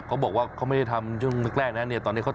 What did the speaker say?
เขาบอกว่าก็ไม่ได้ทำในช่วงแรกนะฮะ